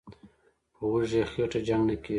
"په وږي خېټه جنګ نه کېږي".